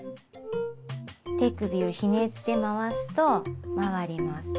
手首をひねって回すと回ります。